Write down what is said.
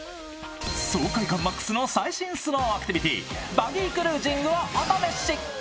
爽快感マックスの最新スノーアクティビティバギークルージングをおためし。